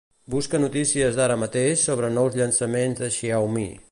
Busca notícies d'ara mateix sobre nous llançaments de Xiaomi.